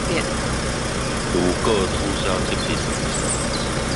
如果取消這筆預算